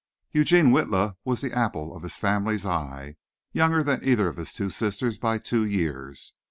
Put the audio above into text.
Eugene Witla was the apple of his family's eye, younger than either of his two sisters by two years.